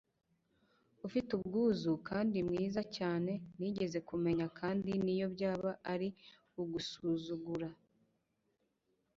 ufite ubwuzu, kandi mwiza cyane nigeze kumenya kandi niyo byaba ari ugusuzugura."